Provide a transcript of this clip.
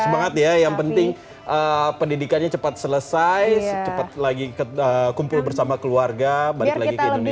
semangat ya yang penting pendidikannya cepat selesai cepat lagi kumpul bersama keluarga balik lagi ke indonesia